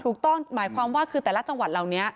ถูกต้องหมายความว่าคือแต่ละจังหวัดเหล่านี้